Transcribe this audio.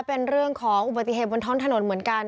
เป็นเรื่องของอุบัติเหตุบนท้องถนนเหมือนกัน